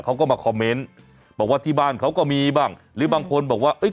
เขาก็มาคอมเมนต์บอกว่าที่บ้านเขาก็มีบ้างหรือบางคนบอกว่าเอ้ย